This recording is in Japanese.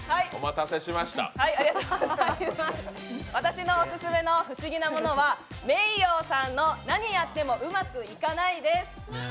私のオススメの不思議なものは、ｍｅｉｙｏさんの「なにやってもうまくいかない」です。